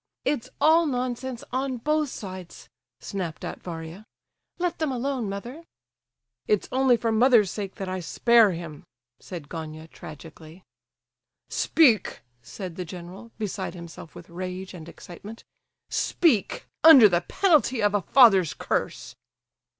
"It's all nonsense on both sides," snapped out Varia. "Let them alone, mother." "It's only for mother's sake that I spare him," said Gania, tragically. "Speak!" said the general, beside himself with rage and excitement; "speak—under the penalty of a father's curse!"